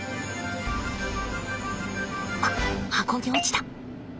あっ箱に落ちた。